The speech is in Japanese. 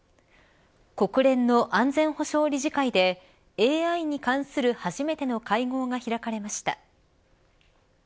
国連の安全保障理事会でＡＩに関する初めての会合が開かれました。